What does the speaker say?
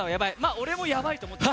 俺もヤバいと思ってる。